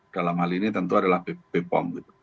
dalam hal ini tentu adalah bepom